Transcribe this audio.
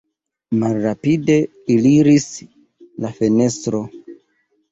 Malrapide aliris la fenestron.